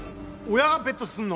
親がベットすんの？